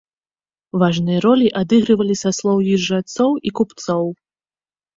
Важныя ролі адыгрывалі саслоўі жрацоў і купцоў.